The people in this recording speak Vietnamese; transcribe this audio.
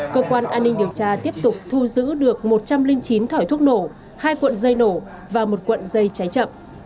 cơ quan an ninh điều tra tiếp tục thu giữ được một trăm linh chín thỏi thuốc nổ hai cuộn dây nổ và một cuộn dây cháy chậm